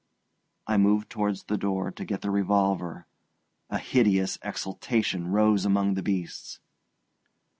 I moved towards the door to get the revolver; a hideous exultation arose among the beasts.